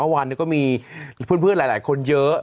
เมื่อวานก็มีเพื่อนหลายคนเยอะ